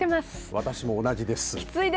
私も同じです。